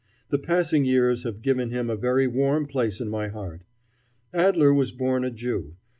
The passing years have given him a very warm place in my heart. Adler was born a Jew.